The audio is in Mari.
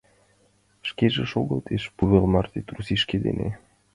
Шкеже шогылтеш пулвуй марте трусикше дене...